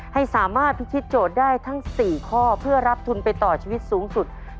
ให้สามารถพิธีโจทย์ได้ทั้ง๔ข้อเพื่อรับทุนไปต่อชีวิตสูงสุด